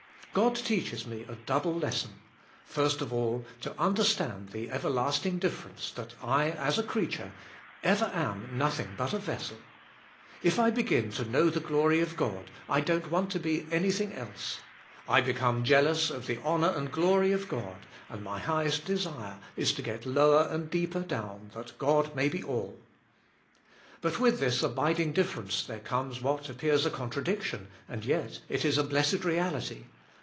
God teaches me a double lesson. First of all, to understand the everlasting difference, that I as a creature, ever am nothing but a vessel. If I begin to know the glory of God I don't want to be anything else; I become jealous of the honor and glory of God and my highest desire is 170 THE SPIRITUAL LIFfi. to g*et lower and deeper down that God may be all. But with this abiding difference there comes what appears a contradiction, and yet is a blessed reality.